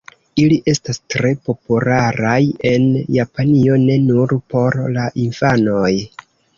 Ili estas tre popularaj en Japanio, ne nur por la infanoj.